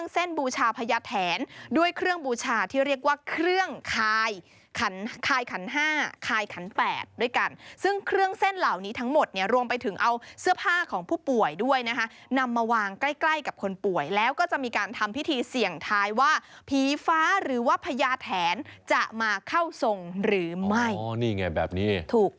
ซึ่งเครื่องเส้นเหล่านี้ทั้งหมดรวมไปถึงเอาเสื้อผ้าของผู้ป่วยด้วยนะฮะนำมาวางใกล้กับคนป่วยแล้วก็จะมีการทำพิธีเสี่ยงทายว่าผีฟ้าหรือว่าพญาแถนจะมาเข้าทรงหรือไม่